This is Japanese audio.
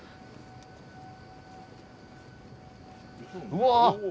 うわ！